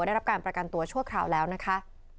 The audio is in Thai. ได้รับการประกันตัวชั่วคราวแล้วนะคะ